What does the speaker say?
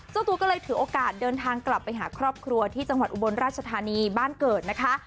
เจ้าตัวก็เลยถือโอกาสเดินทางกลับไปหาครอบครัวที่จังหวัดอุบลราชธานีบ้านเกิดนะคะ